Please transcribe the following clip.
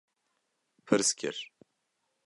Pirs kir: